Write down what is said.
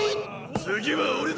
次は俺だ！